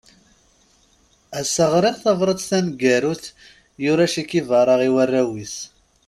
Ass-a ɣriɣ tabrat taneggarut yura Che Guevara i warraw-is.